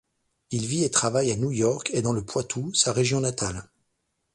Il vit et travaille à New York et dans le Poitou, sa région natale.